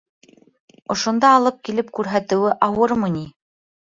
Ошонда алып килеп күрһәтеүе ауырмы ни?!